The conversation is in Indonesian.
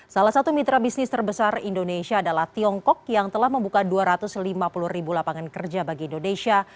salah satu mitra bisnis terbesar indonesia adalah tiongkok yang telah membuka dua ratus lima puluh ribu lapangan kerja bagi indonesia